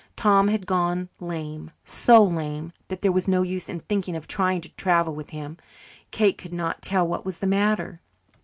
Tom had gone lame so lame that there was no use in thinking of trying to travel with him. Kate could not tell what was the matter.